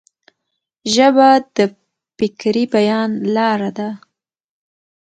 ژبه د فکري بیان لار ده.